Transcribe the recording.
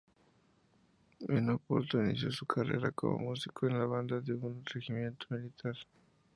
En Oporto inició su carrera como músico en la banda de un regimiento militar.